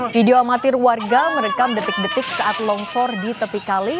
video amatir warga merekam detik detik saat longsor di tepi kali